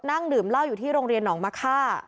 นั่งดื่มเหล้าอยู่ที่โรงเรียนหนองมะค่า